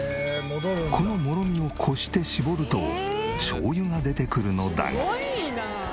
このもろみをこして搾るとしょうゆが出てくるのだが。